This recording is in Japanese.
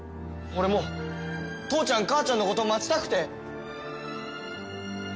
俺も父ちゃん母ちゃんのこと待ちたくて。